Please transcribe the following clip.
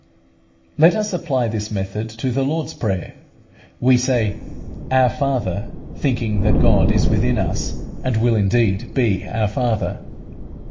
Let us apply this method to the Lord's Prayer. We say "Our Father," thinking that God is within us, and will indeed be our Father.